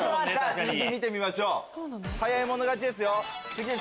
続き見てみましょう早い者勝ちですよ。きた！